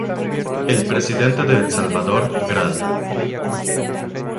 El presidente de El Salvador Gral.